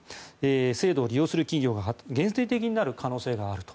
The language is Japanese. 制度を利用する企業が限定的になる可能性があると。